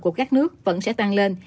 của các nước vẫn sẽ tăng lên